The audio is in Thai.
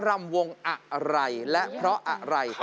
รำวงอะไรและเพราะอะไร